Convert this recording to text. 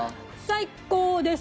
最高です！